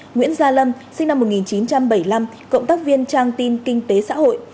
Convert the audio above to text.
nguyễn gia lâm sinh năm một nghìn chín trăm bảy mươi năm cộng tác viên trang tin kinh tế xã hội